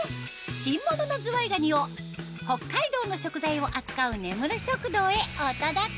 新物のずわいがにを北海道の食材を扱う根室食堂へお届け